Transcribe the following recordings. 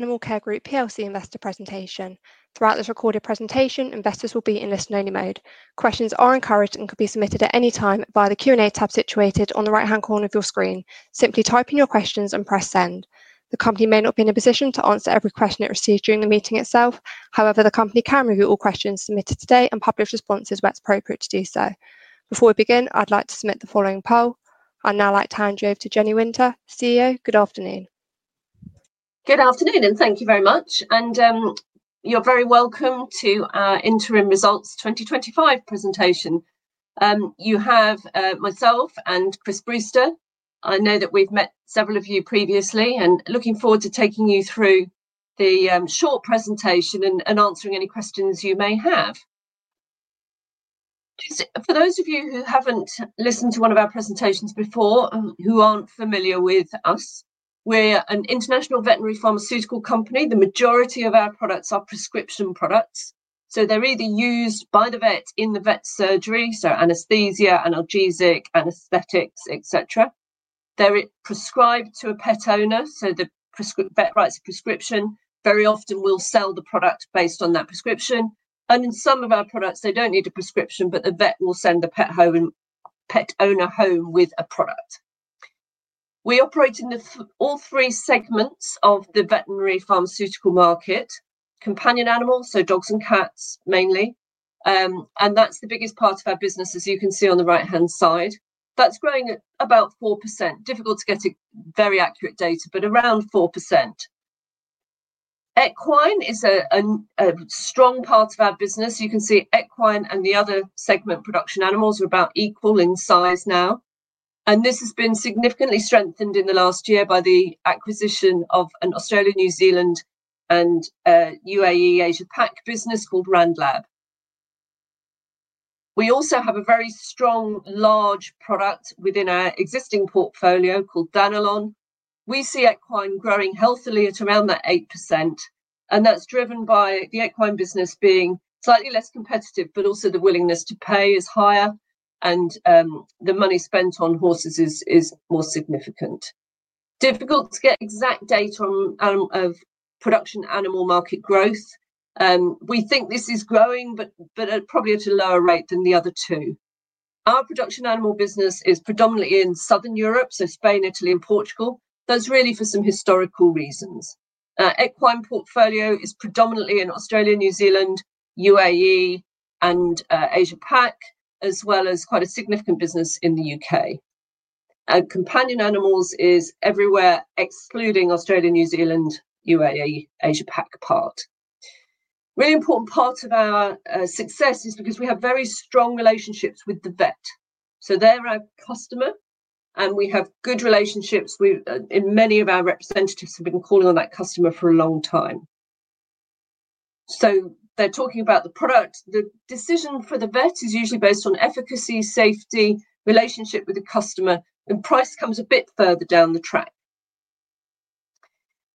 Animalcare Group plc Investor Presentation. Throughout this recorded presentation, investors will be in listen-only mode. Questions are encouraged and can be submitted at any time via the Q&A tab situated on the right-hand corner of your screen. Simply type in your questions and press send. The company may not be in a position to answer every question it receives during the meeting itself. However, the company can review all questions submitted today and publish responses where it's appropriate to do so. Before we begin, I'd like to submit the following poll. I'd now like to hand you over to Jennifer Winter, CEO. Good afternoon. Good afternoon, and thank you very much. You're very welcome to our Interim Results 2025 Presentation. You have myself and Chris Brewster. I know that we've met several of you previously and looking forward to taking you through the short presentation and answering any questions you may have. For those of you who haven't listened to one of our presentations before and who aren't familiar with us, we're an international veterinary pharmaceuticals company. The majority of our products are prescription products, so they're either used by the vet in the vet's surgery, so anesthesia, analgesic, anesthetics, etc. They're prescribed to a pet owner, so the vet writes a prescription. Very often, we'll sell the product based on that prescription. In some of our products, they don't need a prescription, but the vet will send the pet owner home with a product. We operate in all three segments of the veterinary pharmaceuticals market: companion animals, so dogs and cats mainly, and that's the biggest part of our business, as you can see on the right-hand side. That's growing at about 4%. Difficult to get very accurate data, but around 4%. Equine is a strong part of our business. You can see equine and the other segment, production animals, are about equal in size now. This has been significantly strengthened in the last year by the acquisition of an Australia, New Zealand, and UAE Asia-Pac business called Randlab. We also have a very strong, large product within our existing portfolio called Danilon. We see equine growing healthily at around that 8%, and that's driven by the equine business being slightly less competitive, but also the willingness to pay is higher and the money spent on horses is more significant. Difficult to get exact data on production animal market growth. We think this is growing, but probably at a lower rate than the other two. Our production animal business is predominantly in southern Europe, so Spain, Italy, and Portugal. That's really for some historical reasons. Our equine portfolio is predominantly in Australia, New Zealand, UAE, and Asia-Pacific, as well as quite a significant business in the U.K. Companion animals is everywhere, excluding Australia, New Zealand, UAE, Asia-Pac part. A very important part of our success is because we have very strong relationships with the vet. They're our customer, and we have good relationships. Many of our representatives have been calling on that customer for a long time. They're talking about the product. The decision for the vet is usually based on efficacy, safety, relationship with the customer, and price comes a bit further down the track.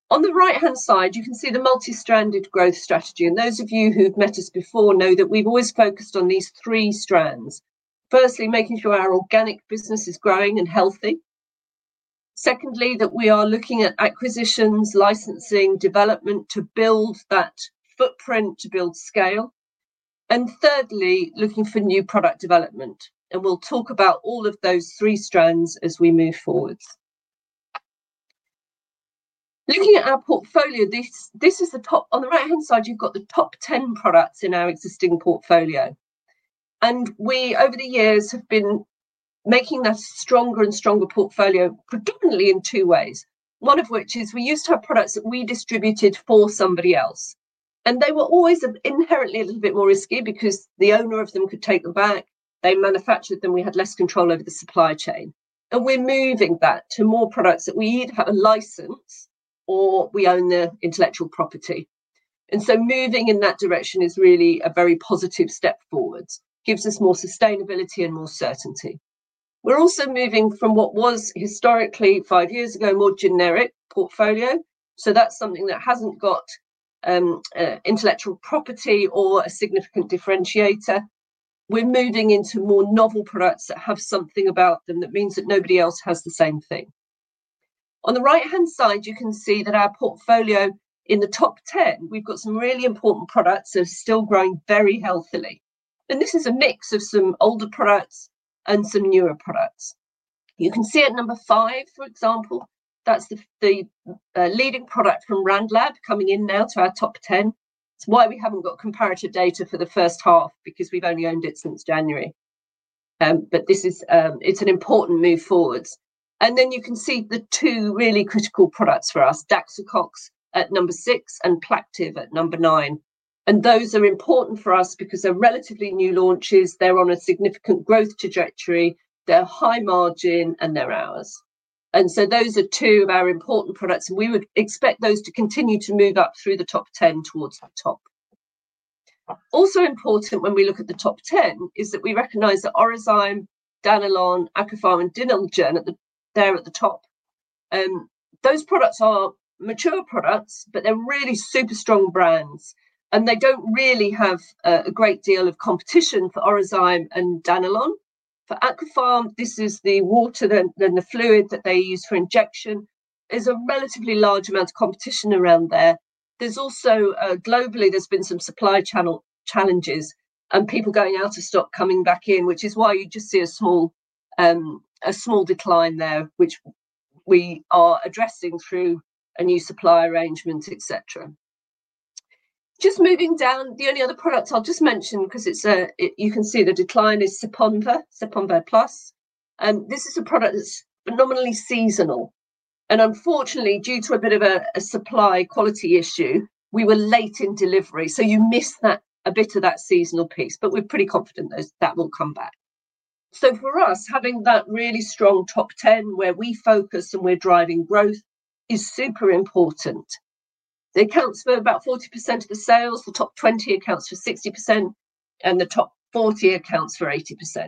On the right-hand side, you can see the multi-stranded growth strategy. Those of you who have met us before know that we've always focused on these three strands. Firstly, making sure our organic business is growing and healthy. Secondly, that we are looking at acquisitions, licensing, development to build that footprint, to build scale. Thirdly, looking for new product development. We'll talk about all of those three strands as we move forward. Looking at our portfolio, this is the top. On the right-hand side, you've got the top 10 products in our existing portfolio. We, over the years, have been making that a stronger and stronger portfolio predominantly in two ways. One of which is we used to have products that we distributed for somebody else. They were always inherently a little bit more risky because the owner of them could take them back. They manufactured them. We had less control over the supply chain. We're moving that to more products that we either have a license or we own the intellectual property. Moving in that direction is really a very positive step forward. It gives us more sustainability and more certainty. We're also moving from what was historically, five years ago, a more generic portfolio. That's something that hasn't got intellectual property or a significant differentiator. We're moving into more novel products that have something about them that means that nobody else has the same thing. On the right-hand side, you can see that our portfolio in the top 10, we've got some really important products that are still growing very healthily. This is a mix of some older products and some newer products. You can see at number five, for example, that's the leading product from Randlab coming in now to our top 10. It's why we haven't got comparative data for the first half because we've only owned it since January. This is an important move forward. You can see the two really critical products for us: Daxocox at number six and Plaqtiv at number nine. Those are important for us because they're relatively new launches. They're on a significant growth trajectory. They're high margin and they're ours. Those are two of our important products. We would expect those to continue to move up through the top 10 towards the top. Also important when we look at the top 10 is that we recognize that Orozyme, Danilon, Aqupharm, and Dinalgen are at the top. Those products are mature products, but they're really super strong brands. They don't really have a great deal of competition for Orozyme and Danilon. For Aqupharm, this is the water and the fluid that they use for injection. There's a relatively large amount of competition around there. Globally, there's been some supply channel challenges and people going out of stock, coming back in, which is why you just see a small decline there, which we are addressing through a new supply arrangement, etc. Moving down, the only other products I'll just mention because you can see the decline is Saponver, Saponver Plus. This is a product that's nominally seasonal. Unfortunately, due to a bit of a supply quality issue, we were late in delivery. You miss that a bit of that seasonal piece. We're pretty confident that that will come back. For us, having that really strong top 10 where we focus and we're driving growth is super important. It accounts for about 40% of the sales. The top 20 accounts for 60%. The top 40 accounts for 80%.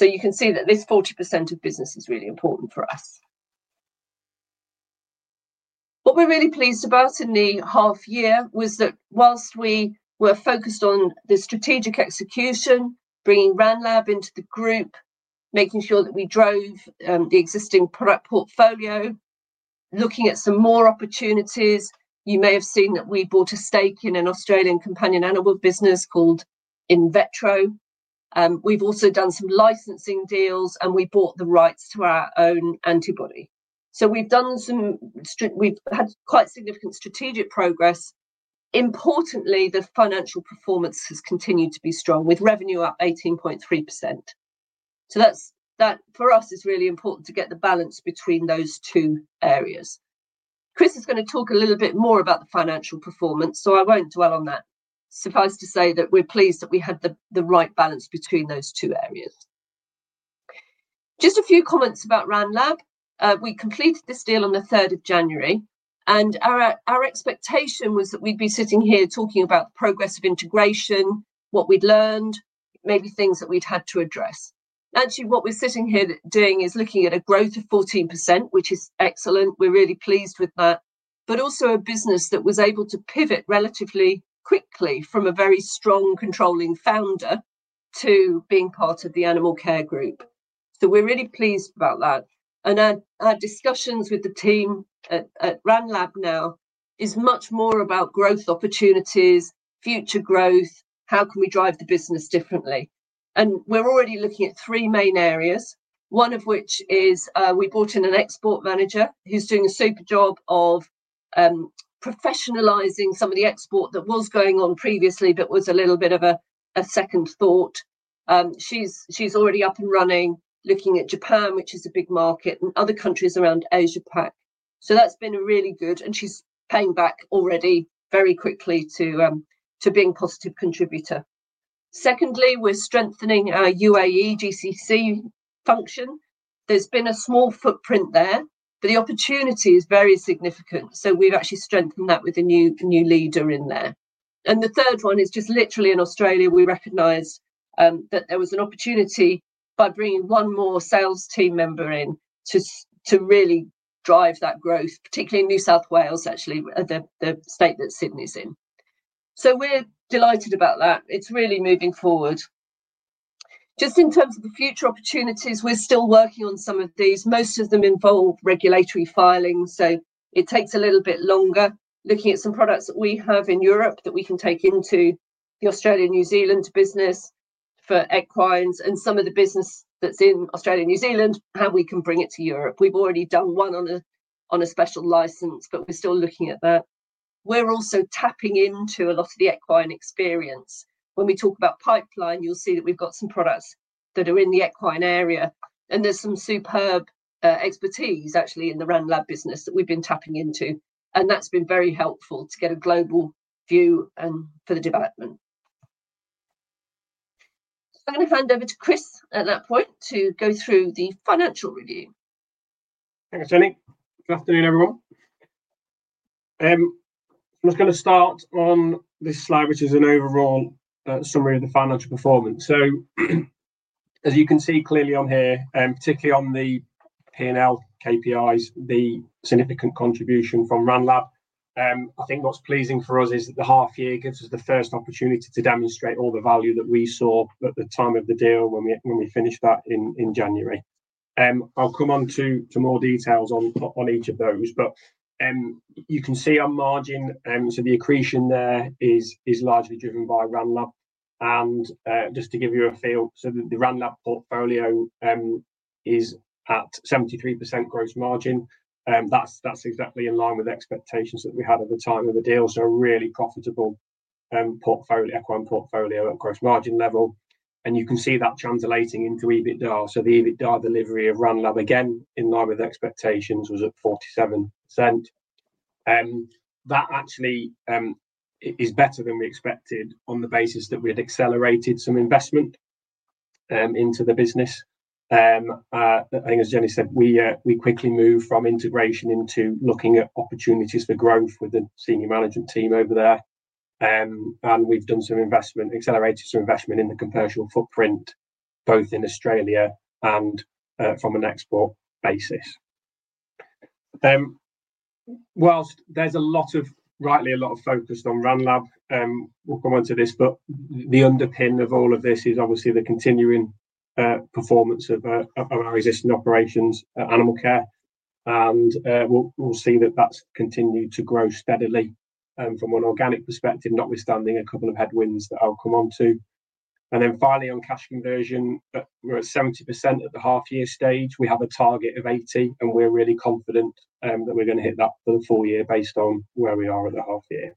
You can see that this 40% of business is really important for us. What we're really pleased about in the half year was that whilst we were focused on the strategic execution, bringing Randlab into the group, making sure that we drove the existing product portfolio, looking at some more opportunities. You may have seen that we bought a stake in an Australian companion animal business called InVetro. We've also done some licensing deals and we bought the rights to our own antibody. We've had quite significant strategic progress. Importantly, the financial performance has continued to be strong with revenue up 18.3%. That for us is really important to get the balance between those two areas. Chris is going to talk a little bit more about the financial performance, so I won't dwell on that. I'm surprised to say that we're pleased that we had the right balance between those two areas. A few comments about Randlab. We completed this deal on January 3rd. Our expectation was that we'd be sitting here talking about progressive integration, what we'd learned, maybe things that we'd had to address. Actually, what we're sitting here doing is looking at a growth of 14%, which is excellent. We're really pleased with that. Also, a business that was able to pivot relatively quickly from a very strong controlling founder to being part of the Animalcare Group. We're really pleased about that. Our discussions with the team at Randlab now are much more about growth opportunities, future growth, how can we drive the business differently. We're already looking at three main areas, one of which is we brought in an export manager who's doing a super job of professionalizing some of the export that was going on previously, but was a little bit of a second thought. She's already up and running, looking at Japan, which is a big market, and other countries around Asia-Pac. That's been really good. She's paying back already very quickly to being a positive contributor. Secondly, we're strengthening our UAE GCC function. There's been a small footprint there, but the opportunity is very significant. We've actually strengthened that with a new leader in there. The third one is just literally in Australia, we recognized that there was an opportunity by bringing one more sales team member in to really drive that growth, particularly in New South Wales, actually, the state that Sydney's in. We're delighted about that. It's really moving forward. In terms of the future opportunities, we're still working on some of these. Most of them involve regulatory filings, so it takes a little bit longer. Looking at some products that we have in Europe that we can take into the Australia, New Zealand business for equines and some of the business that's in Australia, New Zealand, how we can bring it to Europe. We've already done one on a special license, but we're still looking at that. We're also tapping into a lot of the equine experience. When we talk about pipeline, you'll see that we've got some products that are in the equine area. There's some superb expertise, actually, in the Randlab business that we've been tapping into. That's been very helpful to get a global view and for the development. I'm going to hand over to Chris at that point to go through the financial review. Thanks, Jenny. Good afternoon, everyone. I'm just going to start on this slide, which is an overall summary of the financial performance. As you can see clearly on here, particularly on the P&L KPIs, the significant contribution from Randlab, I think what's pleasing for us is that the half year gives us the first opportunity to demonstrate all the value that we saw at the time of the deal when we finished that in January. I'll come on to more details on each of those. You can see our margin, so the accretion there is largely driven by Randlab. Just to give you a feel, the Randlab portfolio is at 73% gross margin. That's exactly in line with the expectations that we had at the time of the deal. A really profitable equine portfolio at gross margin level. You can see that translating into EBITDA. The EBITDA delivery of Randlab, again, in line with expectations, was at 47%. That actually is better than we expected on the basis that we had accelerated some investment into the business. I think, as Jenny said, we quickly moved from integration into looking at opportunities for growth with the Senior Management Team over there. We've done some investment, accelerated some investment in the comparative footprint, both in Australia and from an export basis. Whilst there's a lot of, rightly, a lot of focus on Randlab, we'll come on to this, the underpinning of all of this is obviously the continuing performance of our existing operations at Animalcare. We'll see that that's continued to grow steadily from an organic perspective, notwithstanding a couple of headwinds that I'll come on to. Finally, on cash conversion, we're at 70% at the half-year stage. We have a target of 80%, and we're really confident that we're going to hit that for the full year based on where we are at the half-year.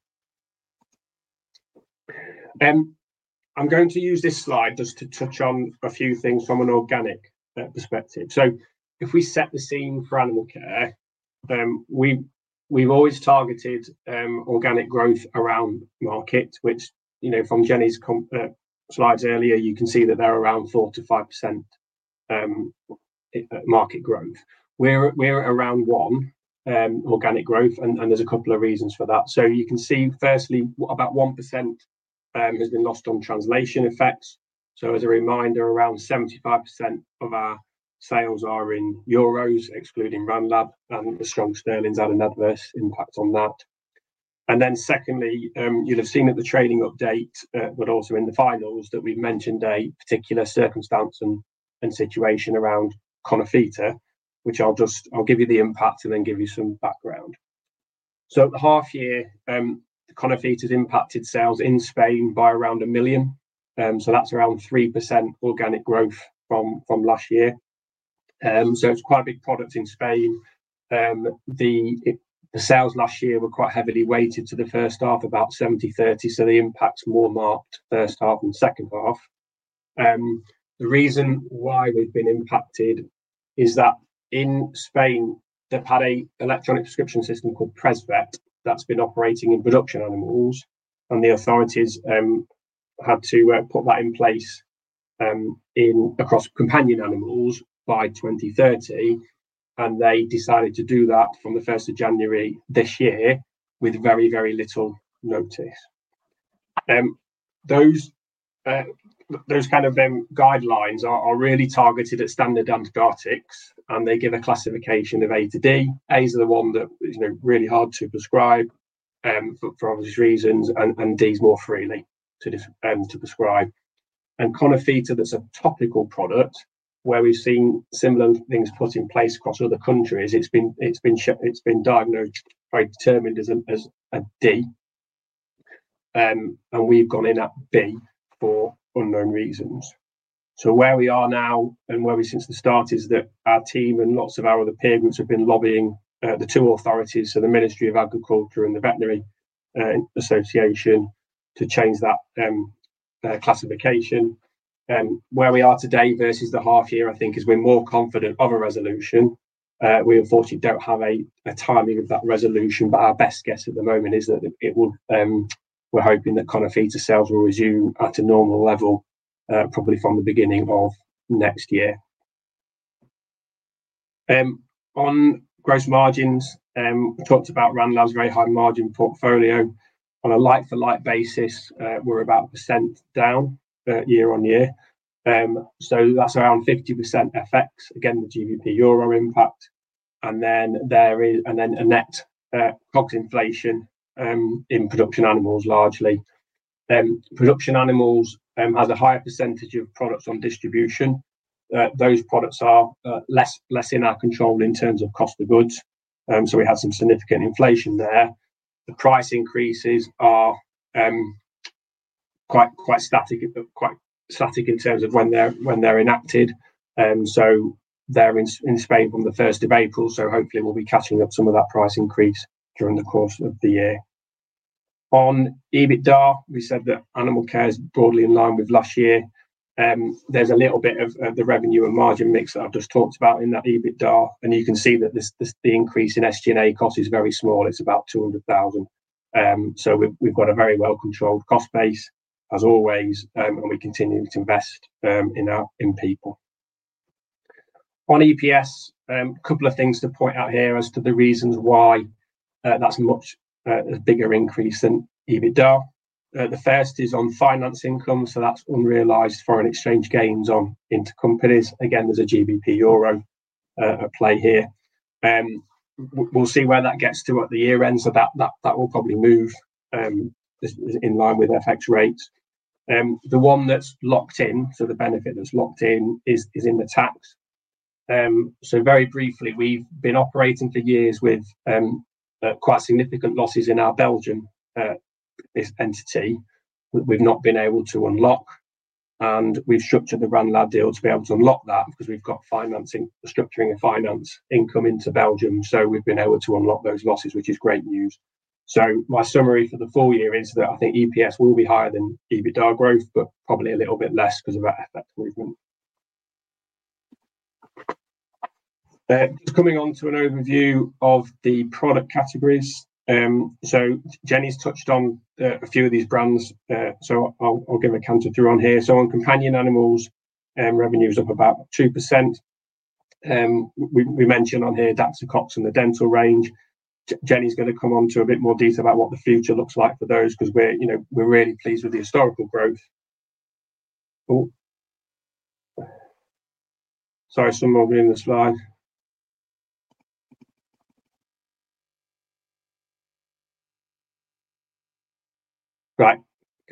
I'm going to use this slide just to touch on a few things from an organic perspective. If we set the scene for Animalcare, we've always targeted organic growth around market, which, you know, from Jenny's slides earlier, you can see that they're around 4%-5% market growth. We're around 1% organic growth, and there's a couple of reasons for that. You can see, firstly, about 1% has been lost on translation effects. As a reminder, around 75% of our sales are in euros, excluding Randlab, and the strong sterling's had an adverse impact on that. You'll have seen at the trading update, but also in the finals, that we've mentioned a particular circumstance and situation around Conofite, which I'll give you the impact and then give you some background. At the half-year, Conofite's impacted sales in Spain by around 1 million. That's around 3% organic growth from last year. It's quite a big product in Spain. The sales last year were quite heavily weighted to the first half, about 70/30, so the impact's more marked first half than second half. The reason why we've been impacted is that in Spain, they've had an electronic prescription system called Presvet that's been operating in production animals, and the authorities had to put that in place across companion animals by 2030. They decided to do that from January 1st` this year with very, very little notice. Those kinds of guidelines are really targeted at standard mydriatics, and they give a classification of A to D. A's are the ones that are really hard to prescribe for obvious reasons, and D's more freely to prescribe. Conofite, that's a topical product, where we've seen similar things put in place across other countries, it's been diagnosed by determinism as a D. We've gone in at B for unknown reasons. Where we are now and where we've been since the start is that our team and lots of our other peer groups have been lobbying the two authorities, the Ministry of Agriculture and the Veterinary Association, to change that classification. Where we are today versus the half-year, I think, is we're more confident of a resolution. We unfortunately don't have a timing of that resolution, but our best guess at the moment is that we're hoping that Conofite sales will resume at a normal level, probably from the beginning of next year. On gross margins, we talked about Randlab's very high margin portfolio. On a like-for-like basis, we're about 1% down year-on-year. That's around 50% FX, again, the GBP euro impact. There is a net cost inflation in production animals largely. Production animals have a higher percentage of products on distribution. Those products are less in our control in terms of cost of goods. We have some significant inflation there. The price increases are quite static in terms of when they're enacted. They're in Spain from the 1st of April, so hopefully we'll be catching up some of that price increase during the course of the year. On EBITDA, we said that Animalcare is broadly in line with last year. There's a little bit of the revenue and margin mix that I've just talked about in that EBITDA, and you can see that the increase in SG&A cost is very small. It's about 200,000. We've got a very well-controlled cost base, as always, and we continue to invest in that in people. On EPS, a couple of things to point out here as to the reasons why that's a much bigger increase than EBITDA. The first is on finance income, so that's unrealized foreign exchange gains on intercompanys. Again, there's a GBP euro at play here. We'll see where that gets to at the year end, so that will probably move in line with FX rates. The one that's locked in, so the benefit that's locked in, is in the tax. Very briefly, we've been operating for years with quite significant losses in our Belgium entity that we've not been able to unlock. We've structured the Randlab deal to be able to unlock that because we've got financing for structuring and finance income into Belgium. We've been able to unlock those losses, which is great news. My summary for the full year is that I think EPS will be higher than EBITDA growth, but probably a little bit less because of that effect. Coming on to an overview of the product categories. Jenny's touched on a few of these brands. I'll give a counter to her on here. On companion animals, revenue is up about 2%. We mentioned on here Daxocox and the dental range. Jenny's going to come on to a bit more detail about what the future looks like for those because we're really pleased with the historical growth. Can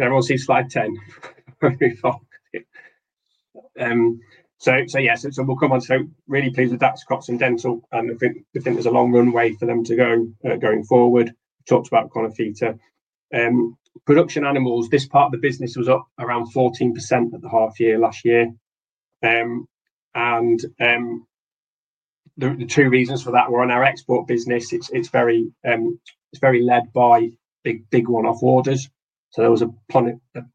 everyone see slide 10? Yes, we'll come on. Really pleased with Daxocox and dental. I think there's a long runway for them going forward. We talked about Conofite. Production animals, this part of the business was up around 14% at the half year last year. The two reasons for that were in our export business. It's very led by big one-off orders. There was a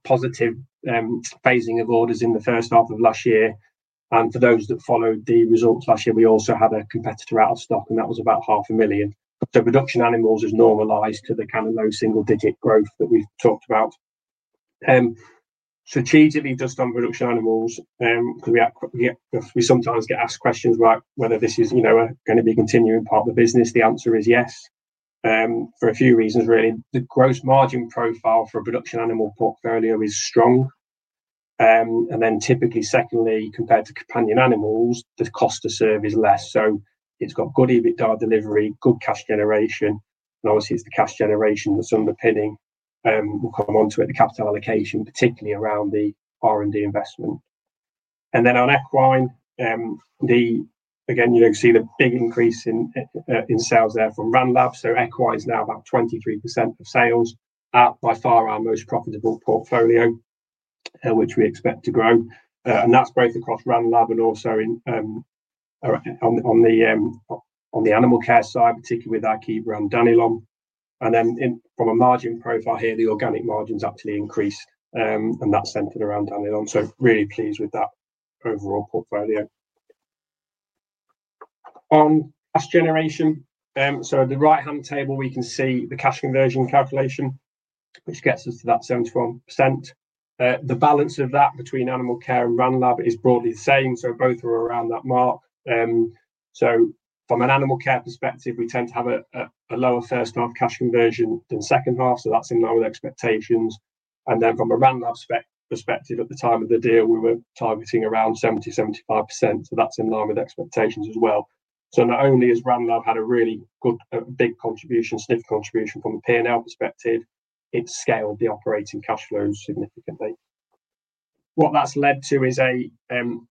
positive phasing of orders in the first half of last year. For those that followed the results last year, we also had a competitor out of stock, and that was about 500,000. Production animals has normalized to the kind of low single-digit growth that we've talked about. Just on production animals, because we sometimes get asked questions about whether this is going to be a continuing part of the business. The answer is yes, for a few reasons, really. The gross margin profile for a production animal portfolio is strong. Typically, compared to companion animals, the cost to serve is less. It has good EBITDA delivery, good cash generation, and obviously the cash generation is underpinning. We'll come on to it, the capital allocation, particularly around the R&D investment. On equine, you can see the big increase in sales there from Randlab. Equine is now about 23% of sales, by far our most profitable portfolio, which we expect to grow. That's both across Randlab and also on the Animalcare side, particularly with our keeper on Danilon. From a margin profile here, the organic margins actually increase, and that's centered around Danilon. Really pleased with that overall portfolio. On this generation, at the right-hand table, we can see the cash conversion calculation, which gets us to that 71%. The balance of that between Animalcare and Randlab is broadly the same, so both are around that mark. From an Animalcare perspective, we tend to have a lower first half cash conversion than second half, so that's in line with expectations. From a Randlab perspective, at the time of the deal, we were targeting around 70%-75%, so that's in line with expectations as well. Not only has Randlab had a really good, big contribution, stiff contribution from a P&L perspective, it's scaled the operating cash flows significantly. What that's led to is an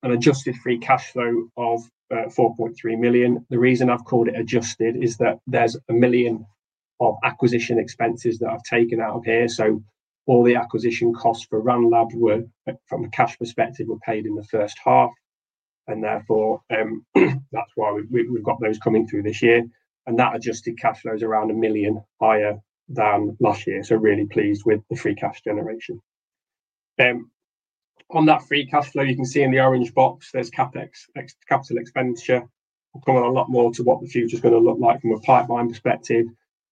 adjusted free cash flow of 4.3 million. The reason I've called it adjusted is that there's a million of acquisition expenses that I've taken out of here. All the acquisition costs for Randlab, from a cash perspective, were paid in the first half, and therefore, that's why we've got those coming through this year. That adjusted cash flow is around a million higher than last year. Really pleased with the free cash generation. On that free cash flow, you can see in the orange box, there's CapEx, capital expenditure. We'll come on a lot more to what the future is going to look like from a pipeline perspective.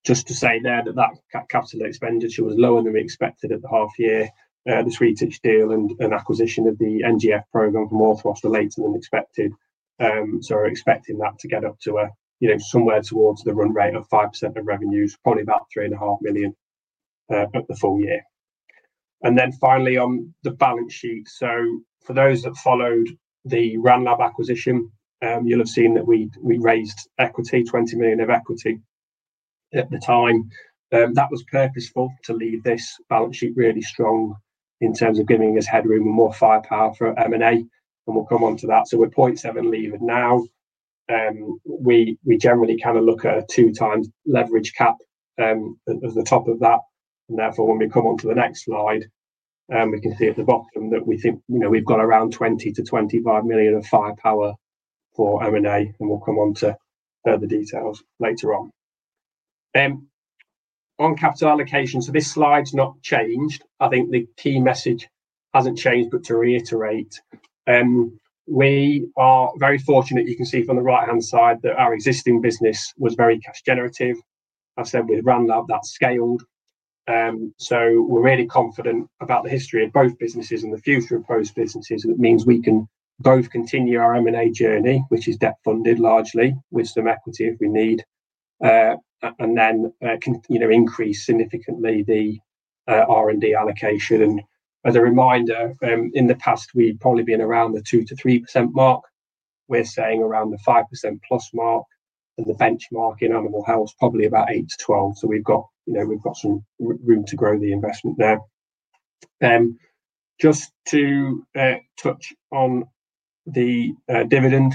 Just to say there that capital expenditure was lower than we expected at the half year. The Swedish deal and acquisition of the NGF antibodies program from author was delayed than expected. We're expecting that to get up to somewhere towards the run rate of 5% of revenues, probably about 3.5 million at the full year. Finally, on the balance sheet, for those that followed the Randlab acquisition, you'll have seen that we raised equity, 20 million of equity at the time. That was purposeful to leave this balance sheet really strong in terms of giving us headroom and more firepower for M&A. We'll come on to that. We're 0.7 leaving now. We generally kind of look at a 2x leverage cap at the top of that. Therefore, when we come on to the next slide, we can see at the bottom that we think we've got around 20 million-25 million of firepower for M&A. We'll come on to further details later on. On capital allocation, this slide's not changed. I think the key message hasn't changed, but to reiterate, we are very fortunate. You can see from the right-hand side that our existing business was very cash generative. I've said with Randlab that scaled. We're really confident about the history of both businesses and the future of both businesses, which means we can both continue our M&A journey, which is debt funded largely, with some equity if we need, and then increase significantly the R&D allocation. As a reminder, in the past, we've probably been around the 2%-3% mark. We're saying around the 5%+ mark. The benchmark in animal health is probably about 8%-12%. We've got some room to grow the investment there. Just to touch on the dividend,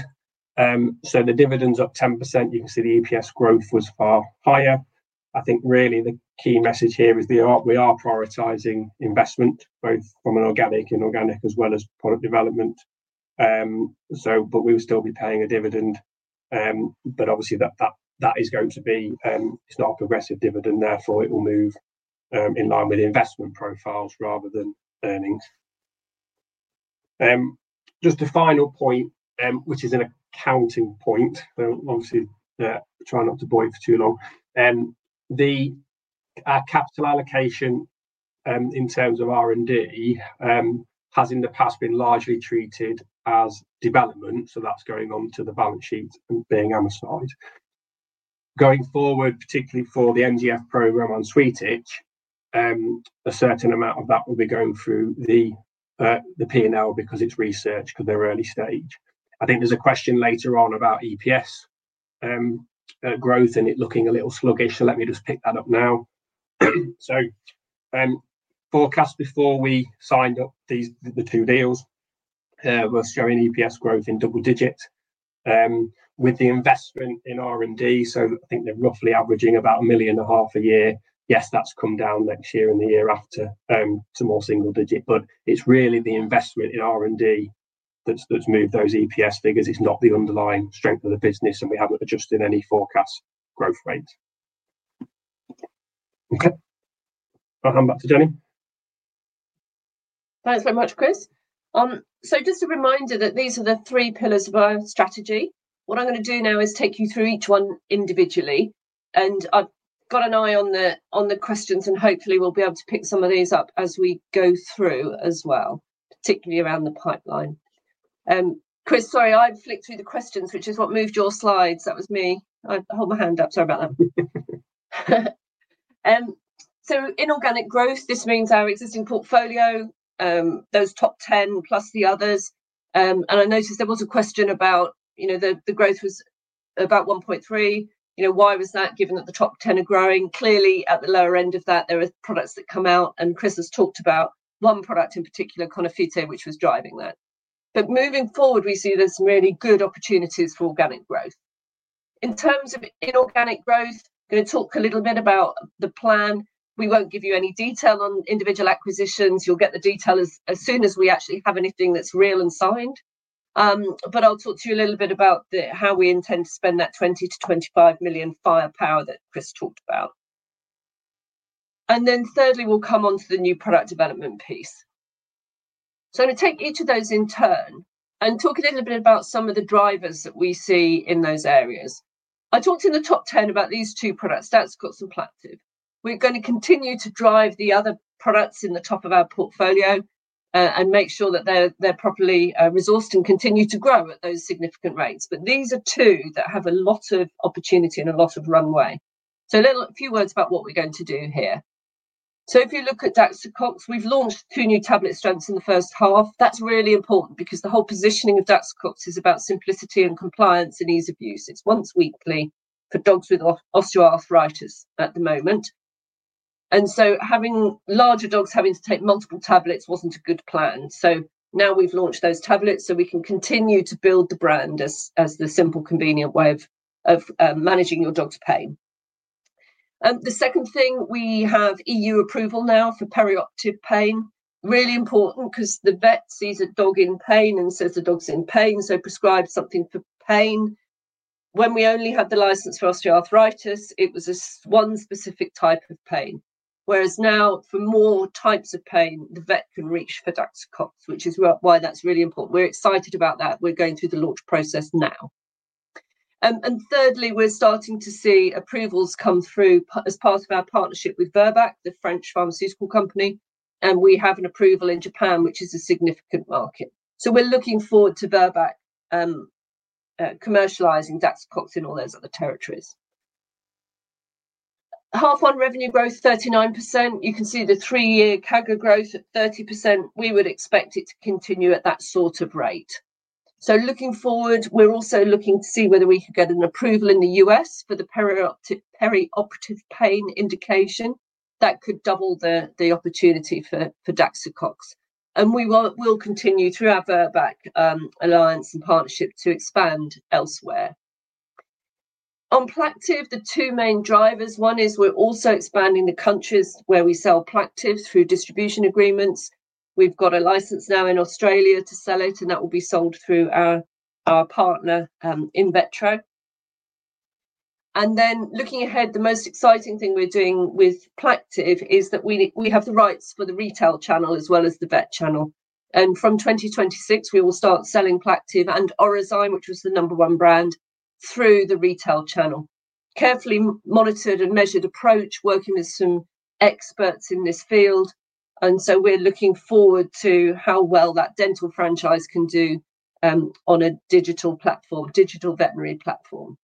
the dividend's up 10%. You can see the EPS growth was far higher. I think really the key message here is that we are prioritizing investment, both from an organic and organic as well as product development. We will still be paying a dividend, but obviously, that is going to be, it's not a progressive dividend. Therefore, it will move in line with investment profiles rather than earnings. Just a final point, which is an accounting point. I'll try not to boil for too long. Our capital allocation in terms of R&D has in the past been largely treated as development, so that's going on to the balance sheet and being amortized. Going forward, particularly for the NGF antibodies program on Swedish, a certain amount of that will be going through the P&L because it's research, because they're early stage. I think there's a question later on about EPS growth, and it's looking a little sluggish. Let me just pick that up now. The forecast before we signed up the two deals was showing EPS growth in double digits. With the investment in R&D, I think they're roughly averaging about 1.5 million a year. Yes, that's come down next year and the year after to more single digits, but it's really the investment in R&D that's moved those EPS figures. It's not the underlying scope of the business, and we haven't adjusted any forecast growth rate. Okay, I'll hand back to Jenny. Thanks very much, Chris. Just a reminder that these are the three pillars of our strategy. What I'm going to do now is take you through each one individually. I've got an eye on the questions, and hopefully, we'll be able to pick some of these up as we go through as well, particularly around the pipeline. Chris, sorry, I've flicked through the questions, which is what moved your slides. That was me. I hold my hand up. Sorry about that. Inorganic growth means our existing portfolio, those top 10+ the others. I noticed there was a question about, you know, the growth was about 1.3%. You know, why was that given that the top 10 are growing? Clearly, at the lower end of that, there are products that come out, and Chris has talked about one product in particular, Conofite, which was driving that. Moving forward, we see there's some really good opportunities for organic growth. In terms of inorganic growth, I'm going to talk a little bit about the plan. We won't give you any detail on individual acquisitions. You'll get the detail as soon as we actually have anything that's real and signed. I'll talk to you a little bit about how we intend to spend that 20 million-25 million firepower that Chris talked about. Thirdly, we'll come on to the new product development piece. I'm going to take each of those in turn and talk a little bit about some of the drivers that we see in those areas. I talked in the top 10 about these two products, Daxocox and Plaqtiv. We're going to continue to drive the other products in the top of our portfolio and make sure that they're properly resourced and continue to grow at those significant rates. These are two that have a lot of opportunity and a lot of runway. A few words about what we're going to do here. If you look at Daxocox, we've launched two new tablet strengths in the first half. That's really important because the whole positioning of Daxocox is about simplicity and compliance and ease of use. It's once weekly for dogs with osteoarthritis at the moment. Having larger dogs having to take multiple tablets wasn't a good plan. Now we've launched those tablets so we can continue to build the brand as the simple, convenient way of managing your dog's pain. The second thing, we have EU approval now for perioperative pain. Really important because the vet sees a dog in pain and says the dog's in pain, so prescribe something for pain. When we only had the license for osteoarthritis, it was this one specific type of pain. Whereas now, for more types of pain, the vet can reach for Daxocox, which is why that's really important. We're excited about that. We're going through the launch process now. Thirdly, we're starting to see approvals come through as part of our partnership with Virbac, the French pharmaceutical company. We have an approval in Japan, which is a significant market. We're looking forward to Virbac commercializing Daxocox in all those other territories. Half-on revenue growth, 39%. You can see the three-year CAGR growth at 30%. We would expect it to continue at that sort of rate. Looking forward, we're also looking to see whether we can get an approval in the U.S. for the perioperative pain indication. That could double the opportunity for Daxocox. We will continue through our Virbac alliance and partnership to expand elsewhere. On Plaqtiv, the two main drivers, one is we're also expanding the countries where we sell Plaqtiv through distribution agreements. We've got a license now in Australia to sell it, and that will be sold through our partner, InVetro. Looking ahead, the most exciting thing we're doing with Plaqtiv is that we have the rights for the retail channel as well as the vet channel. From 2026, we will start selling Plaqtiv and Orozyme, which was the number one brand, through the retail channel. Carefully monitored and measured approach, working with some experts in this field. We're looking forward to how well that dental franchise can do on a digital platform, digital veterinary platform.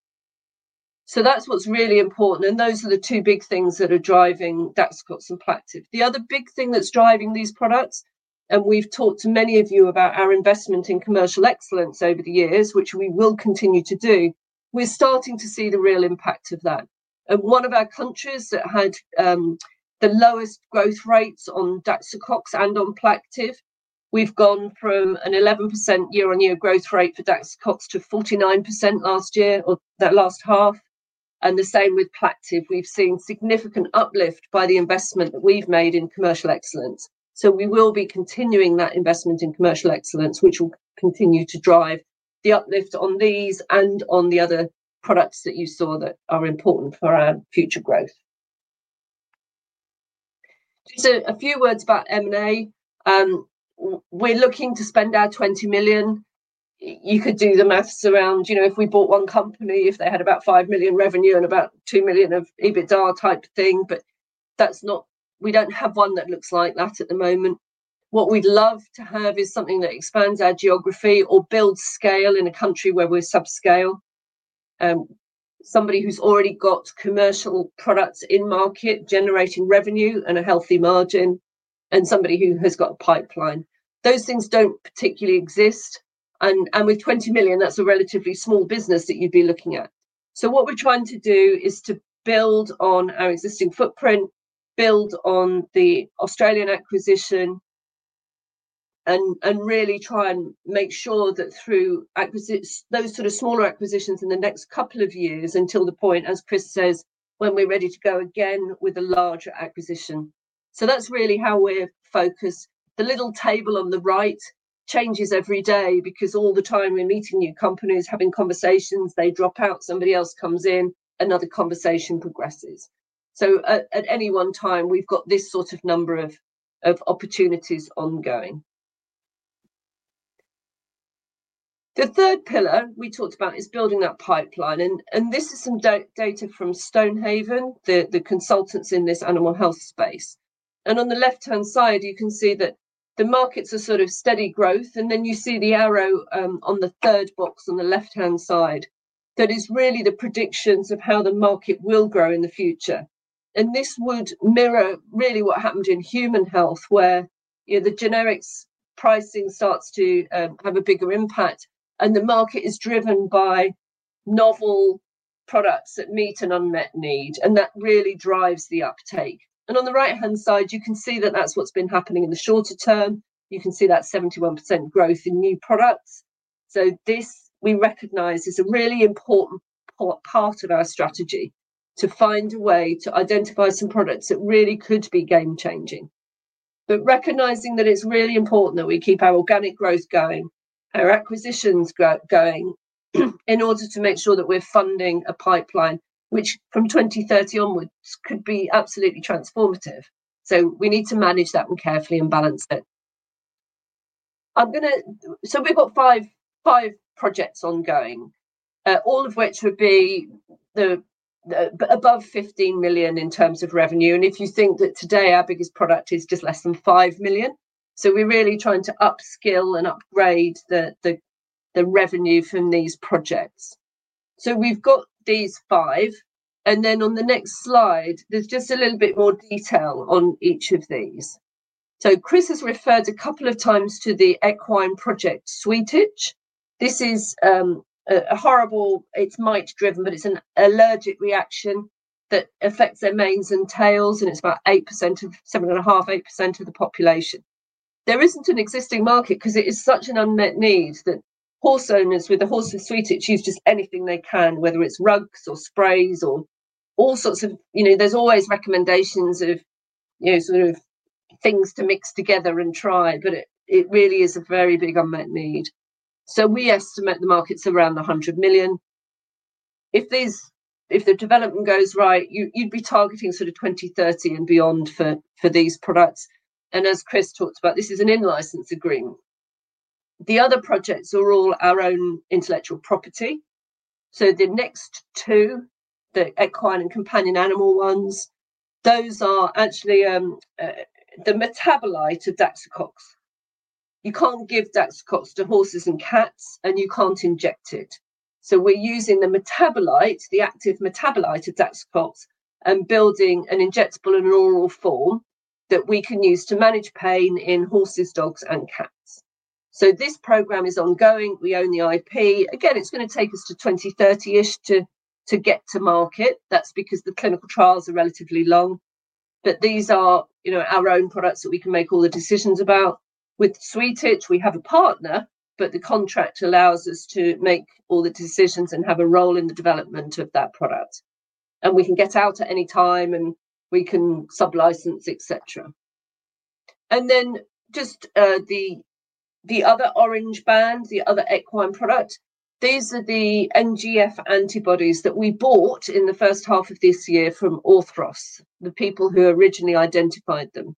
That's what's really important. Those are the two big things that are driving Daxocox and Plaqtiv. The other big thing that's driving these products, and we've talked to many of you about our investment in commercial excellence over the years, which we will continue to do, we're starting to see the real impact of that. One of our countries that had the lowest growth rates on Daxocox and on Plaqtiv, we've gone from an 11% year-on-year growth rate for Daxocox to 49% last year or that last half. The same with Plaqtiv. We've seen significant uplift by the investment that we've made in commercial excellence. We will be continuing that investment in commercial excellence, which will continue to drive the uplift on these and on the other products that you saw that are important for our future growth. A few words about M&A. We're looking to spend our 20 million. You could do the math around, you know, if we bought one company, if they had about 5 million revenue and about 2 million of EBITDA type thing, but that's not, we don't have one that looks like that at the moment. What we'd love to have is something that expands our geography or builds scale in a country where we're subscale, somebody who's already got commercial products in market generating revenue and a healthy margin, and somebody who has got a pipeline. Those things don't particularly exist. With 20 million, that's a relatively small business that you'd be looking at. We're trying to build on our existing footprint, build on the Australian acquisition, and really try and make sure that through those sort of smaller acquisitions in the next couple of years until the point, as Chris says, when we're ready to go again with a larger acquisition. That's really how we're focused. The little table on the right changes every day because all the time we're meeting new companies, having conversations, they drop out, somebody else comes in, another conversation progresses. At any one time, we've got this sort of number of opportunities ongoing. The third pillar we talked about is building that pipeline. This is some data from Stonehaven, the consultants in this animal health space. On the left-hand side, you can see that the markets are sort of steady growth. You see the arrow on the third box on the left-hand side that is really the predictions of how the market will grow in the future. This would mirror really what happened in human health, where the generics pricing starts to have a bigger impact. The market is driven by novel products that meet an unmet need, and that really drives the uptake. On the right-hand side, you can see that that's what's been happening in the shorter term. You can see that 71% growth in new products. This, we recognize, is a really important part of our strategy to find a way to identify some products that really could be game-changing. Recognizing that it's really important that we keep our organic growth going, our acquisitions going, in order to make sure that we're funding a pipeline, which from 2030 onwards could be absolutely transformative. We need to manage that carefully and balance it. We've got five projects ongoing, all of which would be above 15 million in terms of revenue. If you think that today our biggest product is just less than 5 million, we're really trying to upskill and upgrade the revenue from these projects. We've got these five. On the next slide, there's just a little bit more detail on each of these. Chris has referred a couple of times to the equine project Swedish. This is a horrible, it's mite-driven, but it's an allergic reaction that affects their manes and tails. It's about 8% of 7.5%, 8% of the population. There isn't an existing market because it is such an unmet need that horse owners with the horse of Swedish use just anything they can, whether it's rugs or sprays or all sorts of, you know, there's always recommendations of, you know, sort of things to mix together and try. It really is a very big unmet need. We estimate the market's around 100 million. If the development goes right, you'd be targeting sort of 2030 and beyond for these products. As Chris talked about, this is an in-license agreement. The other projects are all our own intellectual property. The next two, the equine and companion animal ones, those are actually the metabolite of Daxocox. You can't give Daxocox to horses and cats, and you can't inject it. We're using the metabolite, the active metabolite of Daxocox, and building an injectable in an oral form that we can use to manage pain in horses, dogs, and cats. This program is ongoing. We own the IP. Again, it's going to take us to 2030-ish to get to market. That's because the clinical trials are relatively long. These are our own products that we can make all the decisions about. With Swedish, we have a partner, but the contract allows us to make all the decisions and have a role in the development of that product. We can get out at any time, and we can sub-license, etc. The other orange band, the other equine product, these are the NGF antibodies that we bought in the first half of this year from Orthros, the people who originally identified them.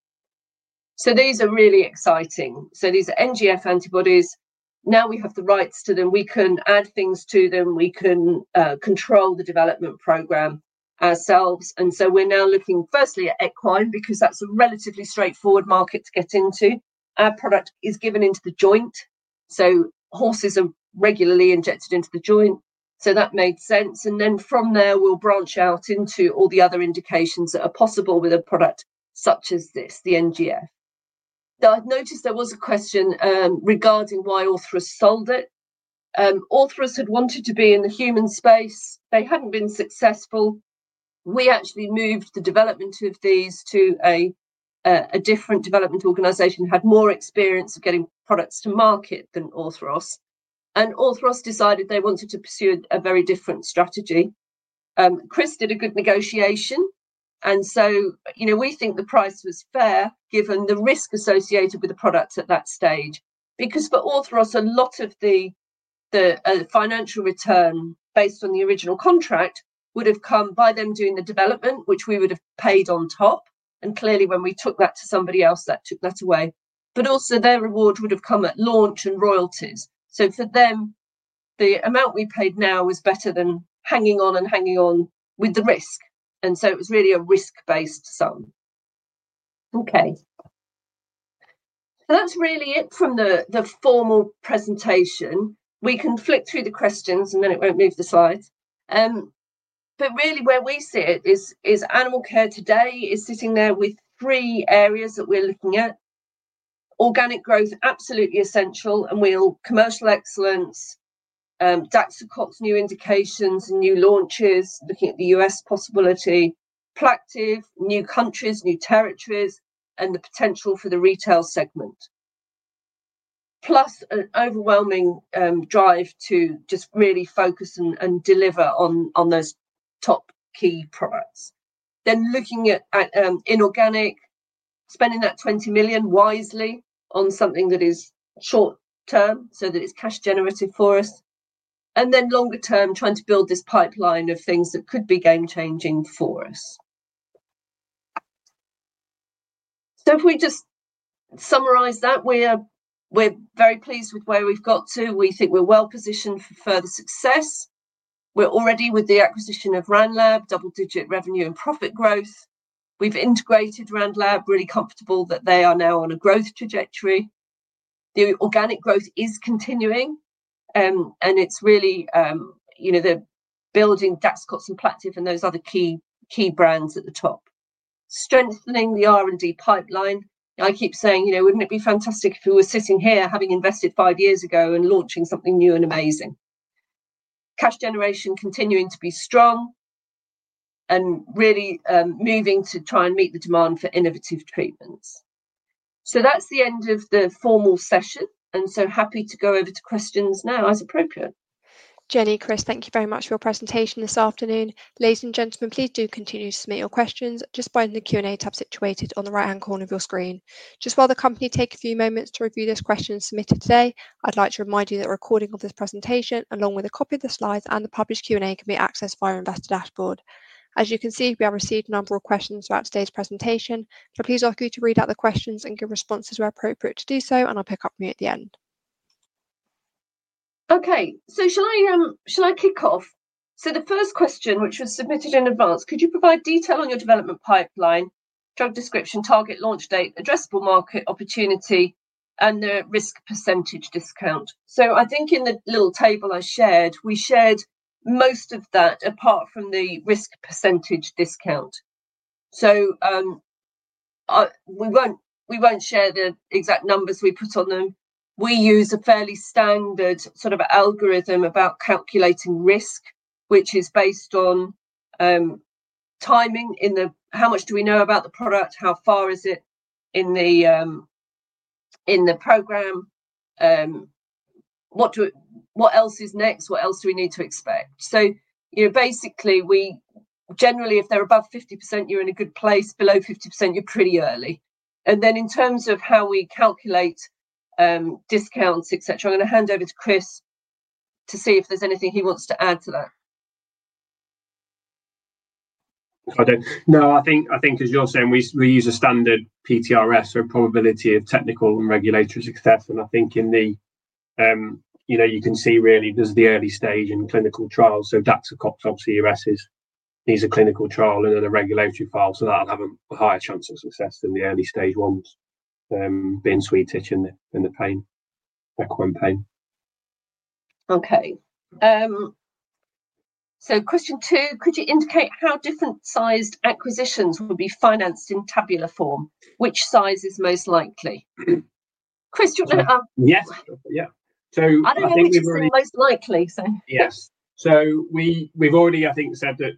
These are really exciting. These are NGF antibodies. Now we have the rights to them. We can add things to them. We can control the development program ourselves. We're now looking firstly at equine because that's a relatively straightforward market to get into. Our product is given into the joint. Horses are regularly injected into the joint. That made sense. From there, we'll branch out into all the other indications that are possible with a product such as this, the NGF. I've noticed there was a question regarding why Orthros sold it. Orthros had wanted to be in the human space. They hadn't been successful. We actually moved the development of these to a different development organization that had more experience of getting products to market than Orthros. Orthros decided they wanted to pursue a very different strategy. Chris did a good negotiation. We think the price was fair given the risk associated with the product at that stage. For Orthros, a lot of the financial return based on the original contract would have come by them doing the development, which we would have paid on top. Clearly, when we took that to somebody else, that took that away. Also, their reward would have come at launch and royalties. For them, the amount we paid now was better than hanging on and hanging on with the risk. It was really a risk-based sum. That's really it from the formal presentation. We can flick through the questions, and then it won't move the slides. Really, where we see it is Animalcare today is sitting there with three areas that we're looking at. Organic growth, absolutely essential, and we'll commercial excellence, Daxocox new indications, new launches, looking at the U.S. possibility, Plaqtiv, new countries, new territories, and the potential for the retail segment. Plus, an overwhelming drive to just really focus and deliver on those top key products. Looking at inorganic, spending that 20 million wisely on something that is short-term so that it's cash-generative for us. Longer-term, trying to build this pipeline of things that could be game-changing for us. If we just summarize that, we're very pleased with where we've got to. We think we're well positioned for further success. We're already with the acquisition of Randlab, double-digit revenue and profit growth. We've integrated Randlab, really comfortable that they are now on a growth trajectory. The organic growth is continuing. They're building Daxocox and Plaqtiv and those other key brands at the top. Strengthening the R&D pipeline. I keep saying, wouldn't it be fantastic if we were sitting here having invested five years ago and launching something new and amazing? Cash generation continuing to be strong and really moving to try and meet the demand for innovative treatments. That's the end of the formal session. Happy to go over to questions now as appropriate. Jenny, Chris, thank you very much for your presentation this afternoon. Ladies and gentlemen, please do continue to submit your questions just by the Q&A tab situated on the right-hand corner of your screen. While the company takes a few moments to review those questions submitted today, I'd like to remind you that the recording of this presentation, along with a copy of the slides and the published Q&A, can be accessed via our investor dashboard. As you can see, we have received a number of questions throughout today's presentation. I please ask you to read out the questions and give responses where appropriate to do so, and I'll pick up from you at the end. Okay. Shall I kick off? The first question, which was submitted in advance, could you provide detail on your development pipeline, drug description, target launch date, addressable market opportunity, and the risk percentage discount? I think in the little table I shared, we shared most of that apart from the risk percentage discount. We won't share the exact numbers we put on them. We use a fairly standard sort of algorithm about calculating risk, which is based on timing in the how much do we know about the product, how far is it in the program, what else is next, what else do we need to expect. Basically, we generally, if they're above 50%, you're in a good place. Below 50%, you're pretty early. In terms of how we calculate discounts, etc., I'm going to hand over to Chris to see if there's anything he wants to add to that. No, I think, as you're saying, we use a standard PTRS, so a probability of technical and regulatory success. I think you can see really this is the early stage in clinical trials. Daxocox, obviously, Urosepsis. These are clinical trials and other regulatory trials. That'll have a higher chance of success than the early stage ones, being Swedish and the pain, equine pain. Okay. Question two, could you indicate how different sized acquisitions will be financed in tabular form? Which size is most likely? Chris, you're going to ask. Yes, yeah. I don't think we have already. Most likely so. Yes. We've already, I think, said that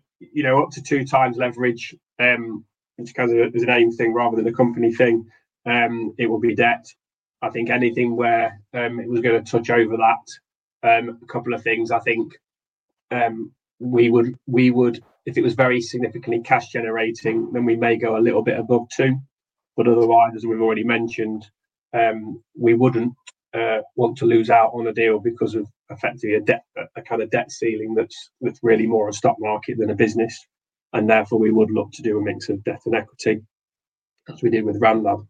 up to 2x leverage, it's kind of as an AIM thing rather than a company thing. It will be debt. I think anything where it was going to touch over that, a couple of things, I think, we would, if it was very significantly cash generating, then we may go a little bit above two. Otherwise, as we've already mentioned, we wouldn't want to lose out on a deal because of effectively a debt, a kind of debt ceiling that's really more a stock market than a business. Therefore, we would look to do a mix of debt and equity as we did with Randlab.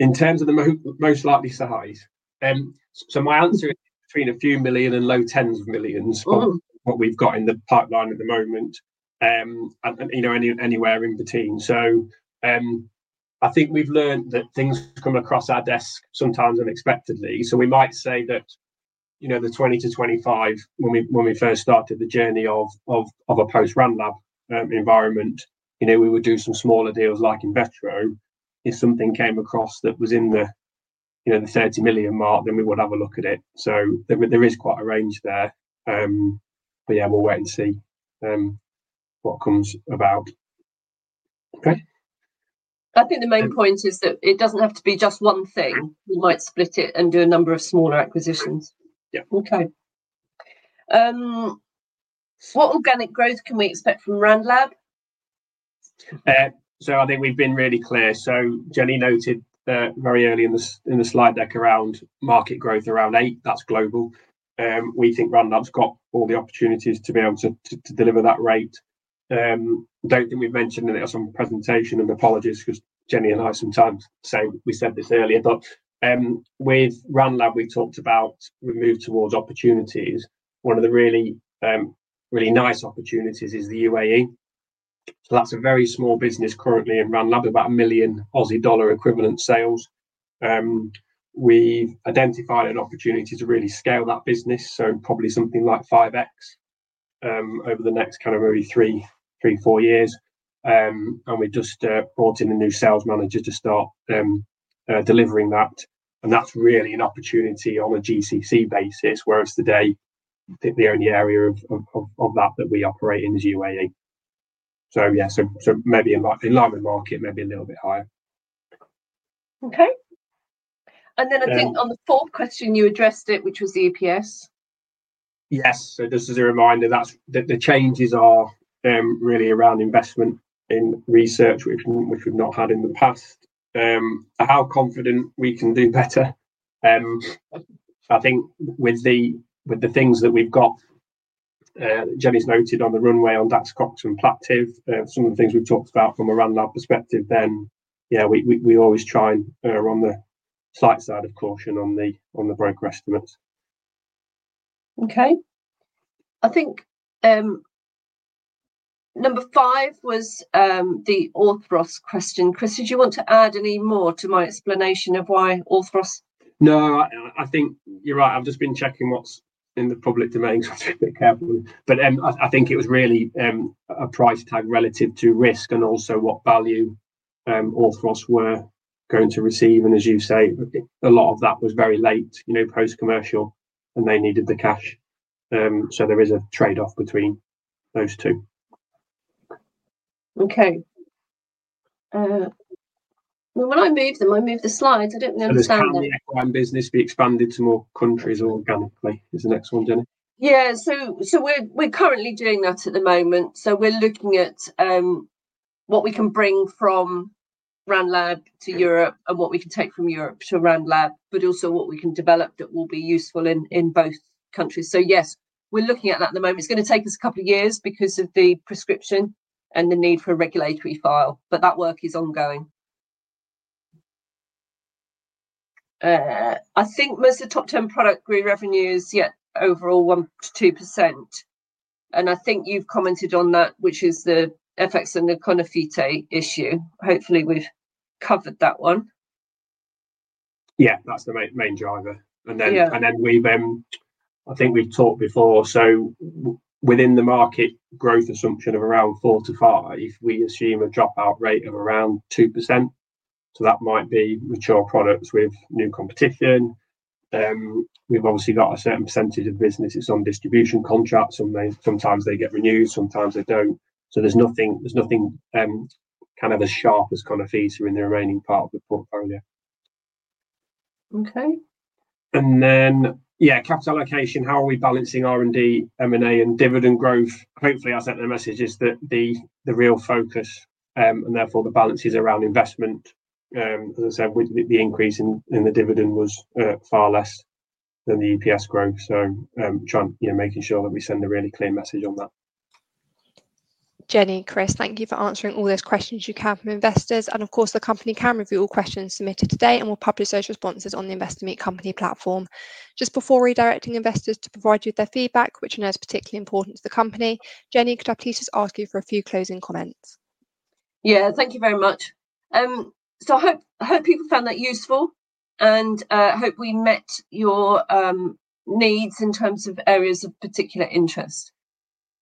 In terms of the most likely size, my answer is between a few million and low tens of millions for what we've got in the pipeline at the moment, and anywhere in between. I think we've learned that things come across our desk sometimes unexpectedly. We might say that the 20 million-GBP25 million, when we first started the journey of a post-Randlab environment, we would do some smaller deals like InVetro. If something came across that was in the 30 million mark, then we would have a look at it. There is quite a range there. We'll wait and see what comes about. Okay. I think the main point is that it doesn't have to be just one thing. We might split it and do a number of smaller acquisitions. Yeah. Okay. What organic growth can we expect from Randlab? I think we've been really clear. Jenny noted very early in the slide deck around market growth around 8%. That's global. We think Randlab's got all the opportunities to be able to deliver that rate. I don't think we've mentioned it as on presentation, and apologies because Jenny and I sometimes say we said this earlier. With Randlab, we talked about we moved towards opportunities. One of the really, really nice opportunities is the UAE. That's a very small business currently in Randlab, about 1 million Aussie dollar equivalent sales. We identified an opportunity to really scale that business, so probably something like 5x over the next kind of early three, three, four years. We just brought in a new sales manager to start delivering that. That's really an opportunity on a GCC basis, whereas today, the only area of that that we operate in is UAE. Maybe in the environment market, maybe a little bit higher. Okay. I think on the fourth question, you addressed it, which was the EPS. Yes. Just as a reminder, the changes are really around investment in research, which we've not had in the past. How confident we can do better. I think with the things that we've got, Jenny's noted on the runway on Daxocox and Plaqtiv, some of the things we've talked about from a Randlab perspective, then yeah, we always try and run the slight side of caution on the broker estimates. Okay. I think number five was the Orthros question. Chris, did you want to add any more to my explanation of why Orthros? No, I think you're right. I've just been checking what's in the public domain, so I'm just a bit careful. I think it was really a price tag relative to risk and also what value Orthros were going to receive. As you say, a lot of that was very late, you know, post-commercial, and they needed the cash. There is a trade-off between those two. Okay. When I moved them, I moved the slides. I didn't understand it. That's how the equine business, we expanded to more countries organically. Is the next one, Jenny? Yeah. We're currently doing that at the moment. We're looking at what we can bring from Randlab to Europe and what we can take from Europe to Randlab, but also what we can develop that will be useful in both countries. Yes, we're looking at that at the moment. It's going to take us a couple of years because of the prescription and the need for a regulatory file. That work is ongoing. I think most of the top 10 product grew revenues yet overall 1%-2%. I think you've commented on that, which is the FX and the Conofite issue. Hopefully, we've covered that one. Yeah, that's the main driver. We've talked before, so within the market growth assumption of around 4%-5%, we assume a dropout rate of around 2%. That might be mature products with new competition. We've obviously got a certain percentage of businesses on distribution contracts, and sometimes they get renewed, sometimes they don't. There's nothing as sharp as Conofite in the remaining part of the portfolio. Okay. Capital allocation, how are we balancing R&D, M&A, and dividend growth? Hopefully, I sent the messages that the real focus, and therefore, the balance is around investment. As I said, the increase in the dividend was far less than the EPS growth. Trying to make sure that we send a really clear message on that. Jenny, Chris, thank you for answering all those questions you can from investors. The company can review all questions submitted today, and we'll publish those responses on the Investor Meet Company platform. Just before redirecting investors to provide you with their feedback, which I know is particularly important to the company, Jenny, could I please just ask you for a few closing comments? Thank you very much. I hope people found that useful and hope we met your needs in terms of areas of particular interest.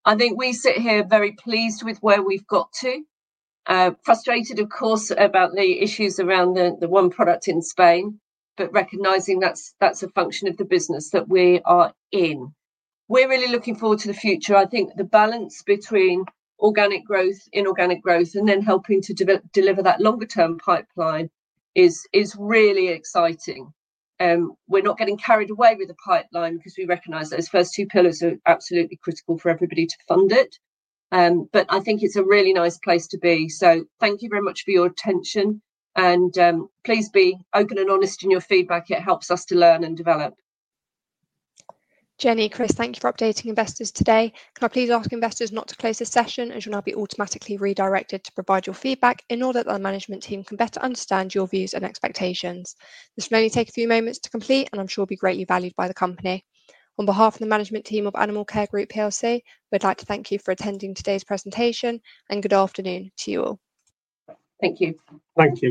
I think we sit here very pleased with where we've got to, frustrated, of course, about the issues around the one product in Spain, but recognizing that's a function of the business that we are in. We're really looking forward to the future. I think the balance between organic growth, inorganic growth, and then helping to deliver that longer-term pipeline is really exciting. We're not getting carried away with the pipeline because we recognize those first two pillars are absolutely critical for everybody to fund it. I think it's a really nice place to be. Thank you very much for your attention, and please be open and honest in your feedback. It helps us to learn and develop. Jenny, Chris, thank you for updating investors today. Can I please ask investors not to close the session as you'll now be automatically redirected to provide your feedback in order that the management team can better understand your views and expectations? This will only take a few moments to complete, and I'm sure it will be greatly valued by the company. On behalf of the management team of Animalcare Group plc, we'd like to thank you for attending today's presentation, and good afternoon to you all. Thank you. Thank you.